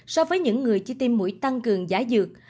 so với những người chỉ tiêm mũi tăng cường giả dược